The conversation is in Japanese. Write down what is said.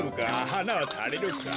はなはたりるか？